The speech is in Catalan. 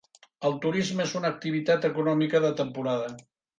El turisme és una activitat econòmica de temporada.